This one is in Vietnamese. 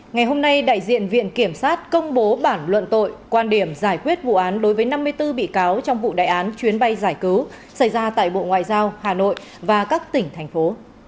ngày hôm nay đại diện viện kiểm sát công bố bản luận tội quan điểm giải quyết vụ án đối với năm mươi bốn bị cáo trong vụ đại án chuyến bay giải cứu xảy ra tại bộ ngoại giao hà nội và các tỉnh thành phố